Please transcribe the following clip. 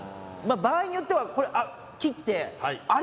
場合によっては切ってあれ？